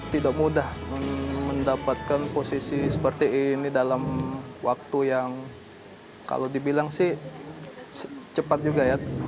tidak mudah mendapatkan posisi seperti ini dalam waktu yang kalau dibilang sih cepat juga ya